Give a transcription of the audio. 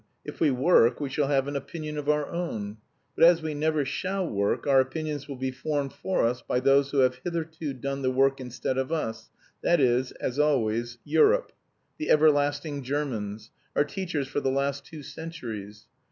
If we work we shall have an opinion of our own. But as we never shall work, our opinions will be formed for us by those who have hitherto done the work instead of us, that is, as always, Europe, the everlasting Germans our teachers for the last two centuries.